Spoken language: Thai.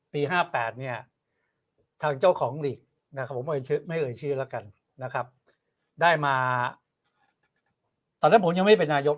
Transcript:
๕๘เนี่ยทางเจ้าของหลีกนะครับผมไม่เอ่ยชื่อแล้วกันนะครับได้มาตอนนั้นผมยังไม่เป็นนายก